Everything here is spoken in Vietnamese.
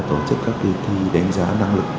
tổ chức các kỳ thi đánh giá năng lực